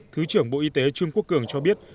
thứ trưởng bộ y tế trương quốc cường cho biết